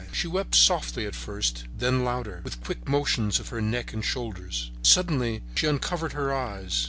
She wept softly at first, then louder, with quick motions of her neck and shoulders. Suddenly she uncovered her eyes.